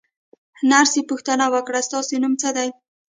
نرسې پوښتنه وکړه: ستاسې نوم څه دی؟